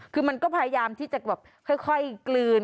คือมันก็พยายามที่จะแบบค่อยกลืน